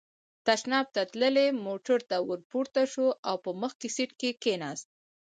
تشناب ته تللی، موټر ته ور پورته شو او په مخکې سېټ کې کېناست.